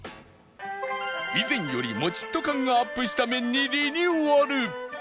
以前よりモチっと感がアップした麺にリニューアル